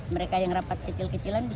mereka yang rapat kecil kecilan